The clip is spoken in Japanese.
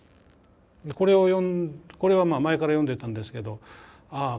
これをこれは前から読んでたんですけどあ